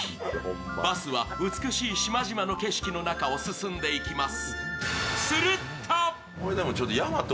バスは美しい島々の景色の中を進んでいきます。